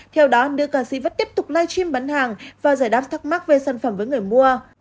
theo đó nữ ca sĩ vẫn tiếp tục live stream bán hàng và giải đáp thắc mắc về sản phẩm với người mua